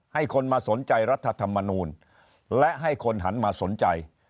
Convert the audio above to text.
ให้คนมาสนใจรัฐธรรมนูลและให้คนหันมาสนใจ